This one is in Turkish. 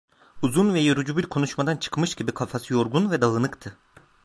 Uzun ve yorucu bir konuşmadan çıkmış gibi kafası yorgun ve dağınıktı.